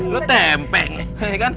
lu tempe ya kan